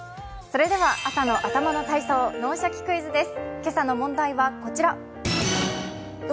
朝の頭の体操、「脳シャキ！クイズ」です。